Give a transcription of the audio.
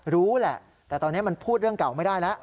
รู้แหละแต่ตอนนี้มันพูดเรื่องเก่าไม่ได้แล้ว